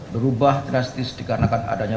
berubah drastis dikarenakan adanya